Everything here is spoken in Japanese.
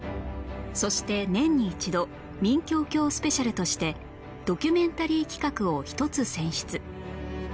そして年に一度「民教協スペシャル」としてドキュメンタリー企画を１つ選出